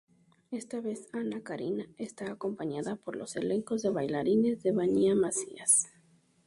Esta vez Anna Carina está acompañada por los elenco de bailarines de Vania Masías.